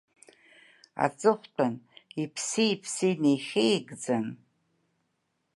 Аҵыхәтәан, иԥси-иԥси неихьигӡан…